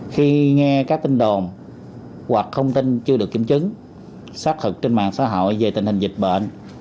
khi nghe các tin đồn hoặc thông tin chưa được kiểm chứng xác thực trên mạng xã hội về tình hình dịch bệnh